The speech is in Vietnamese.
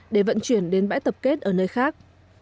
để vận chuyển đến bãi tập kết ở nơi khác